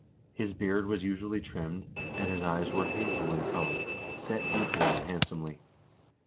His beard was usually trimmed, and his eyes were hazel in color, set deeply and handsomely.